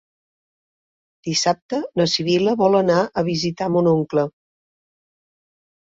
Dissabte na Sibil·la vol anar a visitar mon oncle.